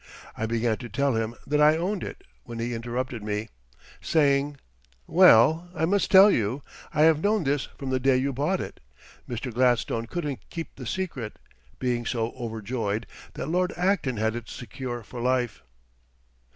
I began to tell him that I owned it when he interrupted me, saying: "Well, I must tell you I have known this from the day you bought it. Mr. Gladstone couldn't keep the secret, being so overjoyed that Lord Acton had it secure for life."